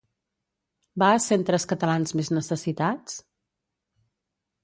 Va a centres catalans mes necessitats??